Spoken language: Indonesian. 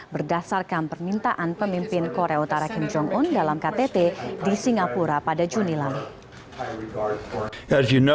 berdasarkan permintaan pemimpin korea utara kim jong un dalam ktt di singapura pada juni lalu